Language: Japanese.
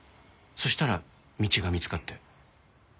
そしたら道が見つかって。